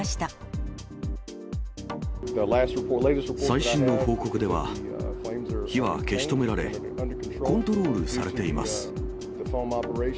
最新の報告では、火は消し止められ、コントロールされています。